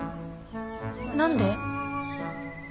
何で？